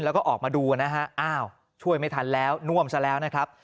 แล้วก็ออกมาดูนะฮะอ้าวช่วยไม่ทันแล้วน่วมซะแล้วนะครับ